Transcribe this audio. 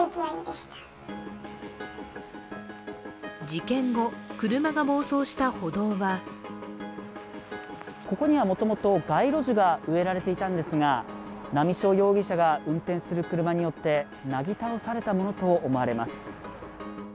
事件後、車が暴走した歩道はここにはもともと街路樹が植えられていたんですが、波汐容疑者が運転する車によってなぎ倒されたものと思われます。